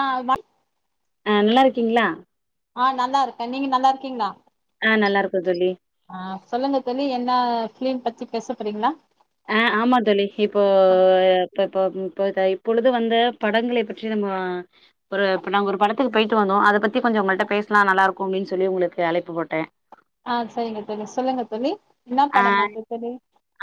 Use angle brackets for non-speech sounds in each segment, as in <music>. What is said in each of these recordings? ஆ வ ஆ நல்லாருக்கீங்களா ஆ நல்லாருக்கே நீங்க நல்லாருக்கீங்களா ஆ நல்லாருக்கே தோழி ஆ சொல்லுங்க தோழி என்ன ஃபிலிம் பத்தி பேசப்போறீங்களா ஆ ஆமா தோழி இப்போ இப்ப இப்ப இப்ப இப்பொழுது வந்து படங்களை பற்றி நம்ம ஒரு இப்ப நாங்க ஒரு படத்துக்கு போயிட்டு வந்தோம் அத பத்தி கொஞ்சம் உங்கள்ட்ட பேசலாம் நல்லா இருக்குன்னு சொல்லி உங்களுக்கு அழைப்பு போட்டே ஆ சரிங்க தோழி சொல்லுங்க தோழி என்னா ஆ படம் பாத்திங் தோழி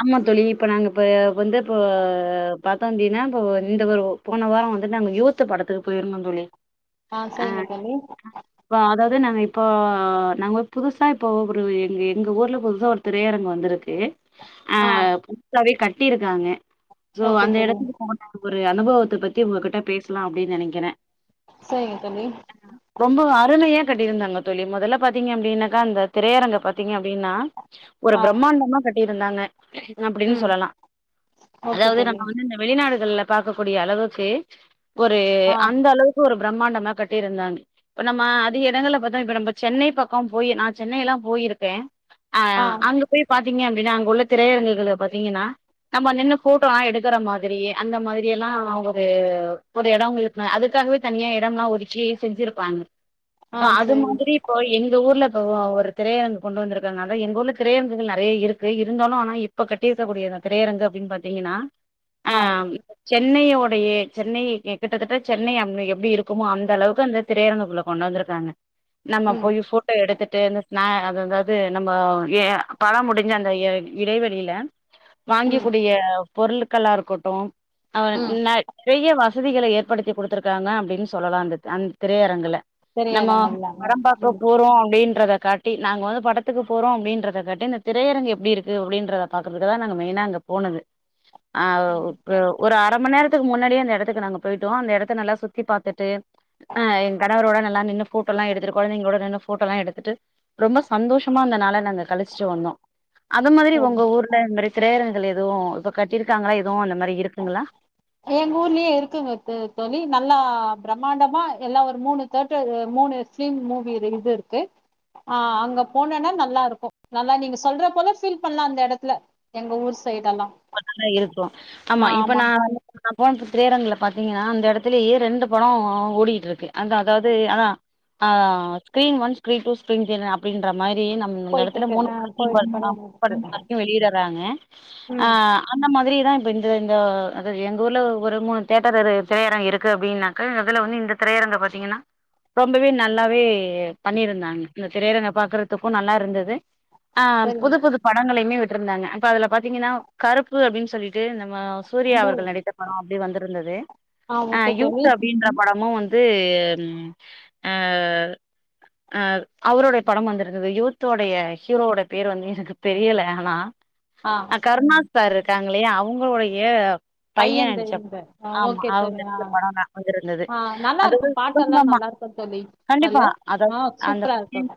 ஆமா தோழி இப்ப நாங்க இப்ப வந்து இப்ப பாத்தோம் அப்டீனா இப்ப இது ஒரு போன வாரம் வந்து நாங்க யூத்து படத்துக்கு போயிருந்தோம் தோழி ஆ செரிங்க தோழி இப்போ அதாவது நாங்க இப்போ நாங்க ஒரு புதுசா இப்போ ஒ ஒரு எங்க ஊர்ல புதுசா ஒரு திரையரங்கம் வந்துருக்கு ஆ புதுசாவே கட்டியிருக்காங்க சோ ஓகே அந்த தோழி எடத்துக்கு ஒரு அனுபவத்த பத்தி உங்ககிட்ட பேசலாம் அப்டின்னு நெனக்கறே சரிங்க தோழி ரொம்ப அருமையா கட்டியிருந்தாங்க தோழி மொதல்ல பாத்தீங்க அப்டின்னாக்க அந்த திரையரங்கம் பாத்தீங்க அப்டின்னா ஒரு ஆ பிரம்மாண்டமா கட்டியிருந்தாங்க நா அப்டின்னு ம் சொல்லலாம் ஓகே அதாவது தோழி நம்ம வந்து இந்த வெளிநாடுகள்ல பாக்கக்கூடிய அளவுக்கு ஒரு ஆ அந்த அளவுக்கு ஒரு பிரம்மாண்டமா கட்டியிருந்தாங்க இப்ப நம்ம அதிக எடங்கள்ல பாத்தோம் இப்ப நம்பச் சென்னை பக்கம் போய் நான் சென்னை எல்லாம் போயிருக்கே ஆ அங்க போய் பாத்தீங்க அப்டின்னா அங்க உள்ள திரையரங்குகள்ல பாத்தீங்கன்னா நம்ப நின்னு ஃபோட்டோலாம் எடுக்கற மாதிரியே அந்த மாதிரி எல்லாம் ஒரு ஒரு எடம் இருக்கு அதுக்காகவே தனியா எடம்லாம் ஒதுக்கி செஞ்சிருப்பாங்க ஆ அது சரி மாதிரி இப் இப்போ எங்க ஊர்ல இப்போ ஒரு திரையரங்கு கொண்டு வந்திருக்காங்க ஆனா எங்க ஊர்ல திரையரங்குகள் நெறைய இருக்கு இருந்தாலும் ஆனா இப்ப கட்டிருக்கக்கூடிய திரையரங்கு அப்டின்னு பாத்தீங்கன்னா ஆ ம் சென்னையோடைய சென்னை கிட்டத்தட்ட சென்னை அ எப்டி இருக்குமோ அந்த அளவுக்கு அந்த திரையரங்குக்குள்ள கொண்டாந்திருக்காங்க நம்ம ம் போய் ஃபோட்டோ எடுத்துட்டு ந அது எதாது நம்ம எ ஆ பட முடிஞ் அந்த இடைவெளில வாங்க ம் கூடிய பொருட்களா இருக்கட்டும் அவ ம் ந நிறைய வசதிகள ஏற்படுத்தி குடுத்துருக்காங்க அப்டின்னு சொல்லலா அந்த அந்த திரையரங்குல நம்மோ திரையரங்கம்லாங்க படம் பாக்க ம் போறோம் அப்டின்றத காட் டி நாங்க வந்து படத்துக்கு போறோ அப்படின்றத காட்டி இந்த திரையரங்கு எப்படி இருக்கு அப்படின்றத பாக்கறக்கு தா நாங்க மெயினா அங்கு போனது ஆ ஓ ஒரு அர மண்நேரத்துக்கு முன்னாடியே அந்த எடத்துக்கு நாங்க போயிட்டோ அந்த எடத்த நல்லா சுத்தி பாத்துட்டு ஆ என் கணவரோட நல்லா நின்னு போட்டோலா எடுத்துட்டு கொழந்தைகளோடு நின்னு போட்டோலா எடுத்துட்டு ரொம்ப சந்தோஷமா அந்தனால நாங்க கழச்சிட்டு வந்தோ அது மாதிரி உங்க ஊர்ல இது மாதிரி திரையரங்கங்கள் எதுவு இப்ப கட்டியிருக்காங்களா எதுவு அந்த மாரி இருக்குங்களா எங் ஊர்லயு இருக்குங்க தோழி நல்லா பிரமாண்டமா எல்லா ஒரு மூணு தேடர் மூணு சிலிம் மூவி இது இருக்கு ஆ அங்க போனேன்னா நல்லா இருக்கு நல்லா நீங்க சொல்ற போல ஃபீல் பண்ணலா அந்த எடத்துல எங்க ஊர் சைடு எல்லா மொதல்ல இருக்கு ஆமா இப்ப நா வந் நா போன திரையரங்கல பாத்தீங்கன்னா அந்த எடத்துலயே ரெண்டு பட ஓடிட் இருக்கு அந்த அதாவுது அதா ஆ screen one screen two screen three அப்டின்ற மாரி நம் இந்த போயிட்டு எடத்துல இருக்கு மூணு ஆ படத்தையு‌ போயிட்டு பாத்தீனா படம் மூணு இருக்கு படங்கள் வரிக்கு வெளியிடுறாங்க ம் அ அந்த மாதிரிதா இப்ப இந்த இந்த அது எங்க ஊர்ல ஒரு மூணு தேட்டர் இரு திரையரங்கு இருக்கு அப்டின்ன அ அதுல ஒன்னு இந்த திரையரங்க பாத்தீங்கன்னா ரொம்பவே நல்லாவே பண்ணியிருந்தாங்க இந்த திரையரங்க பாக்குறதுக்கு நல்லா இருந்தது அ சரிங்க புது புது படங்களையுமே விட்டுருந்தாங்க அப்ப அதுல பாத்தீங்கன்னா கருப்பு அப்டின்னு சொல்லி ட்டு நம்ம சூர்யா மூணு அவர்கள் நடித்த பட அப்டி வந்திருந்தது ஆ அ ஓகே தோழி யூத் அப்டின்ற படமு வந் து ம் ஆ அ அவருடைய படம் வந்திருந்தது யூத்தோடைய ஹீரோட பேர் வந்து எனக்கு தெரியல ஆனா <inaudible> ஆ கருணாஸ் சார் இருக்காங்களையா அவுங்களுடைய பைய பையன் நடிச்ச இந்த ஆ ஆமா ஓகே அவுங்க தோழி ஆ நடிச்ச படோ தா வந்திருந்தது ஆ நல்லா இருக்கு அதாவுது பாட்டெல்லா குடும்பமா நல்லா இருக்கு தோழி அதுல கண்டிப்பா அதோ ஆ அந்த சூப்பரா இருக்கு புட்டின்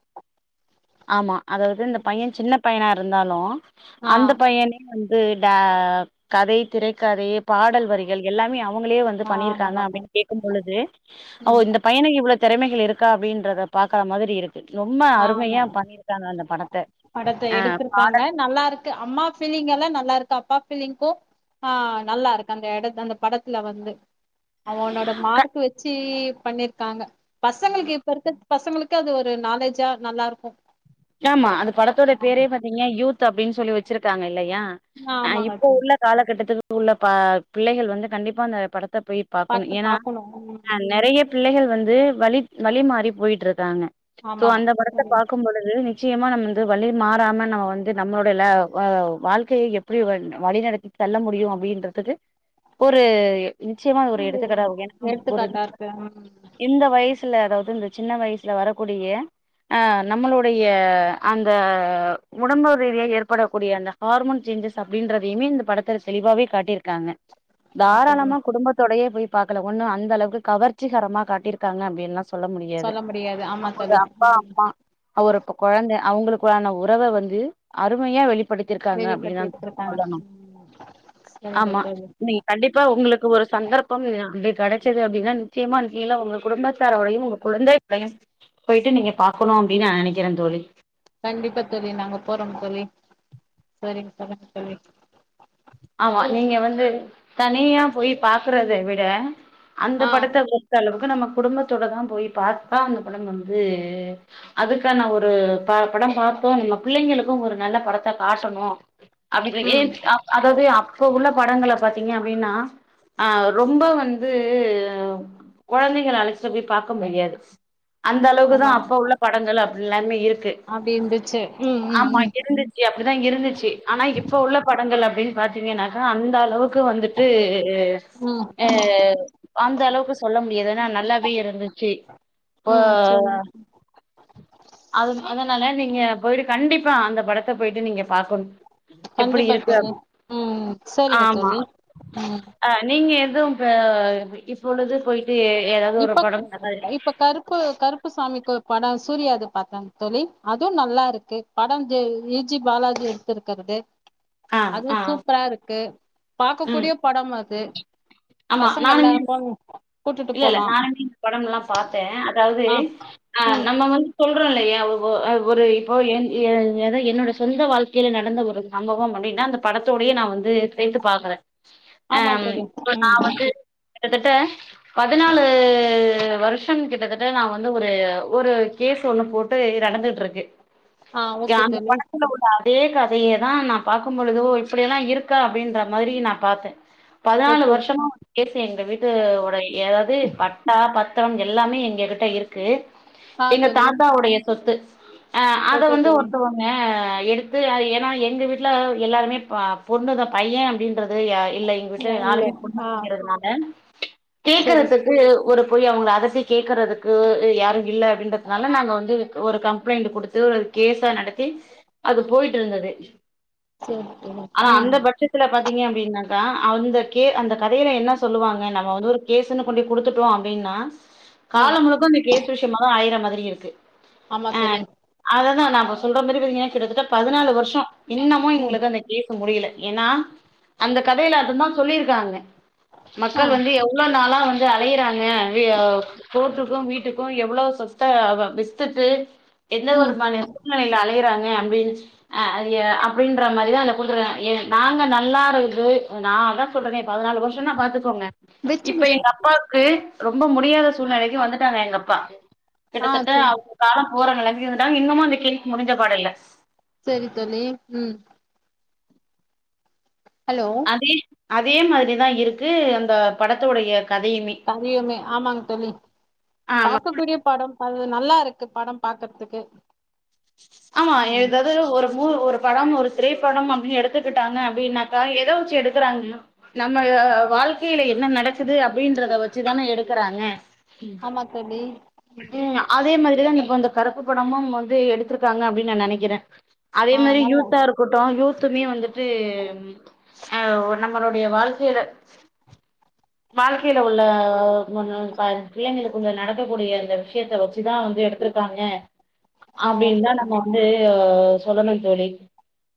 ஆமா அதாவுது இந்த பைய சின்ன பையனா இருந்தாலு ஆ அந்த பையனே வந் து ட கதை திரைக்கதை பாடல் வரிகள் எல்லாமே அவுங் அவுங்களே வந்து ஆ பண்ணிருக்காங்க நல்லா பண்ணி அப்டின்னு கேக்கு பொழுது ஒ இந்த பையனுக்கு இவ்ளோ திறமைகள் இருக்கா அப்டின்றத பாக்குற மாதிரி இருக் கு ரொம்ப ஆ அருமையா ந- பண்ணிருக்காங்க அந்த படத்த படத்த ஆ எடுத்திருக்காங்க பாடல் நல்லா இருக் கு அம்மா பீலிங் எல்லா நல்லா இருக்கு அப்பா பீலிங்கோ ஆ நல்லா இருக்கு அந்த எடத் அந்த படத்துல வந்து அவனோட மார்க் வச்சீ பண்ணிருக்காங்க பசங்களுக்கு இப்ப இருக்க பசங்களுக்கு அது ஒரு நாலேஜா நல்லா இருக்கு யாமா அந்த படத்தோட பேரே பாத்தீங்கா யூத் அப்டின்னு சொல்லி வச்சிருக்காங்க இல்லையா அ ஆமாங்க இப்போ தோழி உள்ள காலகட்டத்துக்கு உள்ள ப பிள்ளைகள் வந்து கண்டிப்பா அந்த படத்த போய் பாக்கணு பாத்து ஏனா பாக்கணு ம் அ நெறைய பிள்ளைகள் வந்து வழி வழி மாறி போயிட் இருக்காங்க சோ ஆமா அந்த படத்த தோழி பாக்கு போழுது இது நிச்சயமா நம்ம வந்து வழி மாறாம நம்ம வந்து நம்மளுடைய ல வ வாழ்க்கையை எப்படி வழிநடத்தி தொல்ல முடியு அப்டின்றதுக்கு ஒரு நிச்சியமா இது ஒரு எடுத்துக்கடா இருக்கு ஏனா ஒரு எடுத்துக்காட்டா இருக்கு ம் இந்த வயசுல அதாவுது இந்த சின்ன வயசுல வரக்கூடிய அ நம்மளோ டைய அந்த உடம்புறிதியா எர்படகூடிய அந்த ஹார்மோன் சேஞ்சஸ் அப்டின்றதையுமே இந்த படத் தெளிவாவே காட்டியிருக்காங்க ஆமா தோழி தாராளமா குடும்பத்தோடையே போய் பாக்கல ஒன்னு அந்த அளவுக்கு கவர்ச்சிகரமா காட்டியிருக்காங்க அப்டின்னுலா சொ சொல்ல முடியாது முடியாது ஆமா அவுங்க தோழி அப்பா அம் மா அவருக்கு கொழந்த அவங்களுக்குள்ளான உறவ வந்து அருமையா வெளி படித்திருக்காங்க வெளிப்பட்டு அப்படினுதா எடுத்திருக்காங்க சொல்லணு ம் சரிங்க ஆமா தோழி நீ கண்டிப்பா உங்களுக்கு ஒரு சந்தர்ப்பம் அப்டி கிடைச்சது அப்படின்னா நிச்சயமா நீலா உங்க குடும்பத்தரோடையும் உங்க குழந்தை போயிட்டு நீங்க பாக்கணு அப்படின்னு நா நினைக்கிறே தோழி கண்டிப்பா தோழி நாங்க போறோம் தோழி சரிங்க சொல்லுங்க தோழி ஆமா நீங்க வந்து தனியா போய் பாக்கறதை விட அந்த ஆ படத்த பொறுத்த அளவுக்கு நம்ம குடும்பத்தோடதா போய் பாத்தா அந்த படம் வந்து அதுக்கான ஒரு ப படம் பாத்தோம் நம்ம பிள்ளைங்களுக்கு ஒரு நல்ல படத்த காட்டணு அதுக்கு ஏஜ் ம் அ அதாவது அப்ப உள்ள படங்கள பாத்தீங்க அப்படின்னா ஆ ரொம்ப வந்து குழந்தைகள அழைச்சிட்டு போய் பாக்க முடியாது அந்த அளவுக்குதா ஆமா அப்ப உள்ள படங்கள் அப்டி எல்லாமே இருக்கு அப்டி இருந்துச்சு ம் ம் ஆமா ம் இருந்துச் சு அப்டிதா இருந்துச்சி ஆனா இப்ப உள்ள படங்களப் எப்டின்னு பாத்தீங்கன்னாக்கா அந்த அளவுக்கு வந்துட்டு ம் ஆ அந்த அளவுக்கு சொல்ல முடியாது ஏன்னா நல்லாவே இருந்துச்சி ப்பா ம் சரி அது அதனால நீங்க போயிட்டு கண்டிப்பா அந்த படத்த போயிட்டு நீங்க பாக்கணு எப்டி கண்டிப்பா இருக்கு தோழி அப் ம் சரிங்க ஆமா தோழி ம் அ நீங்க எதுவு இப்ப இப்ப உள்ளது போயிட் ட்டு எதாவது ஒரு இப்ப படம் <inaudible> இப்ப கருப்பு கருப்பு சாமிக்கு படம் சூர்யாது பாத்தே தோழி அதுவு நல்லா இருக்கு படம் இ ஜி பாலாஜி எடுத்திருக்கிறது ஆ அதுவு ஆ சூப்பரா இருக்கு பாக்க ம் கூடிய படம் அது ஆமா பசங்கல்லா நானுமே போங்க கூட்டுட் இல்ல இல்ல நானுமே இந்த படம்லா பாத்தே அதாவது ஆ ஆ ம் நம்ம வந்து சொல்றோ இல்லையா ஒ ஒரு இப்போ என் ஏது என்னோட சொந்த வாழ்க்கையில நடந்த ஒரு சம்பவம் அப்படின்னா அந்த படத்தோடையே நா வந்து சேத்து பாக்குறே ஆ ஆமா தோழி இப்ப நா ம் வந்து கிட்டத்தட்ட பதினாலு வருஷம் கிட்டத்தட்ட நா வந்து ஒரு ஒரு கேஸ் ஒண்ணு போட் ட்டு நடந்துட்டுருக்கு ஆ ஜா ஓகே அந்த தோழி படத்துல இப்ப அதே கதையை தா நா பாக்கும் பொழுதோ இப்படியெல்லா இருக்கா அப்படின்ற மாரி நா பாத்தே பதினாலு ஓகே வருஷமா கேஸ் எங்க வீட்டுவுடை எதாவது பட்டா பத்தரம் எல்லாமே எங்ககிட்ட இருக்கு ஆ எங்க தோழி தாத்தாவுடைய சொத்து ஆ அத ஓகே வந்து தோழி ஒருத்தவ னா எடுத்து ஏன்னா எங்க வீட்ல எல்லாருமே பொண்ணுதா பைய அப்படின்றது யா இல்ல எங்க வீட்ல இல்ல நாலுமே பொண்ணு ஆ அப்படிங்கறதுனால சரி கேட்கறதுக்கு ஒரு போய் அவுங்க அதட்டி கேட்கறதுக்கு யாரு இல்லை அப்படின்றதுனால நாங்க வந்து ஒரு கம்ப்ளைண்ட் குடுத்து ஒரு கேஸா நடத்தி அது போயிட்டு இருந்தது சேரி தோழி ஆனா ம் அந்த பட்சத் துல பாத்தீங்க அப்டின்னாக்கா அந்த கே அந்த கதையில என்ன சொல்லுவாங்க நம்ம வந்து ஒரு கேஸ்ன்னு கொண்டி குடுத்துட்டோ அப்படின்னா ஆ காலம் முழுக்க அந்த கேஸ் விஷயமாதா அழையிற மாரி இருக்கு ஆமா சோழி அததா நா இப்ப சொல்ற மாரி பாத்தீங்கன்னா கிட்டத்தட்ட பதினாலு வருஷோ இன்னமு ம் எங்களுக்கு அந்த கேஸ் முடியல ஏன்னா அந்த கதையில அத தா சொல்லியிருக்காங்க ஆ மக்கள் வந்து எவ் இவ்ளோ நாளா வந்து அலையறாங்க கோர்ட்டுக்கு வீட்டுக்கு எவ்ளோ சொத்த அவ வித்துட்டு எந்த ஒரு ம் மனி சூழ்நலையில அலையறாங்க அப்டின்னுச்சிக் ஆ அது அப்டின்ற மாதிரி அந்த குடுத்துருக்கா எ நாங்க நல்லா இருந்து நா அதா சொல்றனே பதினாலு வருஷோனா பாத்துக்கோங்க இப்ப வெச்சுடு சா எங்க அப்பாக்கு ரொம்ப முடியாத சூழ்நலைக்கு வந்துட்டாங்க எங்க அப்பா ஆ கிட்டத்தட்ட சேரி அவுங்க காலோ போற நெலமைக்கு வந்துட்டாங்க இன்னமு அந்த கேஸ் முடிஞ்ச பாடு இல்ல செரி தோழி ம் ஹலோ அதே அதே மாத்ரிதா இருக்கு அந்த படத்தோடய கதயுமே கதையுமே ஆமாங் தோழி ஆ பாக்க கூடிய படோ அது நல்லாருக்கு படம் பாக்கற்துக்கு ஆமா எதாவ் ஒரு மூவ் ஒரு படம் ஒரு திரைப்படம் அப்டின்னு எடுத்துக்கிட்டாங்க அப்படின்னாக்கா எத வச்சு எடுக்கறாங்க நம்ம வாழ்கையில என்ன நடக்குது அப்டின்றத வச்சிதான எடுக்குறாங்க ஆமா தோழி ம் அதே மாதிரிதா இப்ப இந்த கருப்பு படமு வந்து எடுத்துருக்காங்க அப்டின்னு நா நெனைக்குற அதே ஆ மரி நல்லா யூத்தா இருக் கூட்டோ யூத்துமே வந்துட்டு அ நம்மளுடய வாழ்க்கையில வாழ்க்கையில உள்ள பாதி பிள்ளைங்களுக்குள்ள நடக்கக்கூடிய அந்த விஷயத்த வச்சுதா வந்து எடு திருக்காங்க ஆ அப்டின்னு ஓகே தா தோழி நம்ம வந்து சொல்லணு தோழி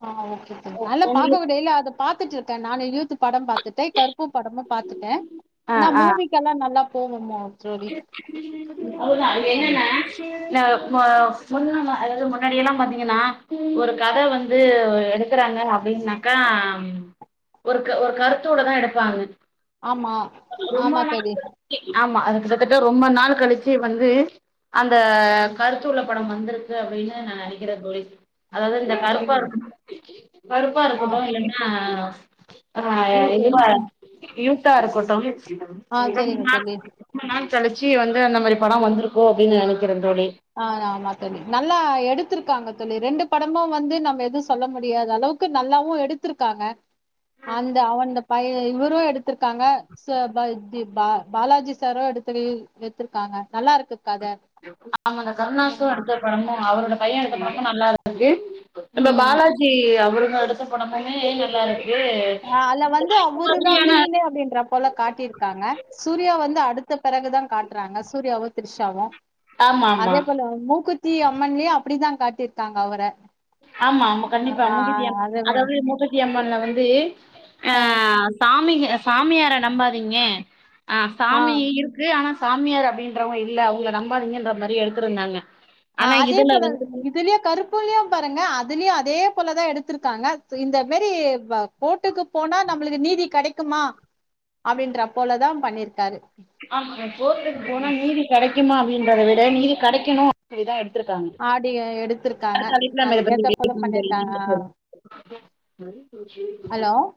ஆ ஓகே தோழி நல்ல உங்களுக்கு பாக்ககு டெய்லி அத பாத்துட்டு இருக்க நானு யூத்து படம் பாக் திட்டைய் கருப்பு படமு பாத்துட்ட நா மூவிக்கல்லா நல்லா போவோமோ தோழி அது ஆமா என்னண்ணா ந மூ முன்னனா அதாவது முன்னாடில்லா பாத்தீங்கன்னா ஒரு கத வந்து எடு எடுக்கறாங்க அப்டின்னாக்கா ஒரு ஒரு கருத்தோட தா எடுப்பாங்க ஆமா ஆமா தோழி ஆமா அது கிட்டத்தட்ட ரொம்ப நாள் கலிச்சு வந்து அந்த கருத்துள்ள படம் வந்துருக்கு அப்டின்னு நா நெனைக்குற தோழி அதாவது இந்த கருப்பா இரு அப்படிங்களா கருப்பா ஆ இருகட்டு இல்லன்னா ஆ யூத்து அதுவா யூத்தா இருக்கட்டோ ஆ சரிங்க தோழி ரொம்ப நாள் கலிச்சி வந்து அந்த மாரி படொ வந்துருக்கோ அப்டின்னு நெனைக்குற தோழி ஆ ஆமா தோழி நல்லா எடுத்துருக்காங்க தோழி ரெண்டு படமு வந்து நம்ம எது சொல்ல முடியாத அளவுக்கு க்கு நல்லாவு எடுத்துருக்காங்க அந்த அவந்த பைய இவரு எடுத்துருக்காங்க சர் தா இது பா பாலாஜி சாரோ எடுத்துரு எத்துருக்காங்க நல்லாருக்கு கத ஆமாங் அந்த கருணாசு எடுத்த படமு அவரோட பைய எடுத்த ஆமா படமு நல்லாருக்கு நம்ப ம் பாலாஜி அவருங்க எடுத்த படமுமே நல்லாருக்கு ஆ அல்ல வந்து அவருதா மெய்னே அப்டின்றா போல காட்டிருக்காங்க சூர்யா வந்து அடுத்த பெறகுதா காட்றாங்க சூர்யாவு திரிஷாவு ஆமா ஆமா அதே போல மூக்குத்தி அம்மன்லயு அப்டிதா காட்டிருக்காங்க அவர ஆமா ஆமா கண்டிப்பா ஆ மூக்குத்தி அம்மன் அதவே அதாவது மூக்குத்தி அம்மன்ல வந்து அ சாமிங்க சாமியார நம்பாதீங்க அ ஆ சாமிய இருக் க்கு ஆனா சாமியார் அப்டின்றவங்க இல்ல அவங்கள நம்பாதிங்கன்ற மாரி எடுத்துருந்தாங்க ஆ ஆனா அதே இதுல போல வந்துட்டு இதுலயு கருப்புலயு பாருங்க அதுலயு அதே போலதா எடுத்துருக்காங்க இந்த மேரி கோட்டுக்கு போனா நம்மளுக்கு நீதி கெடைக்குமா அப்டின்றா போலதா பண்ணிருக்காரு ஆமா கோர்ட்க்கு போனா நீதி கெடைக்குமா அப்டின்றத விட நீதி கெடைக்கணு அப்டிதா எடுத்துருக்காங்க ஆடியோ எடுத்திருக்காங்க அதுக்கேத்த போல பண்ணிருக்காங்க <inaudible> ஹலோ